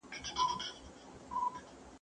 ¬ د يوه پېچ کېدی، بل کونه ځيني غوښته.